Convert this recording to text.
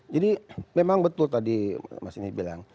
jadi memang betul tadi mas ine bilang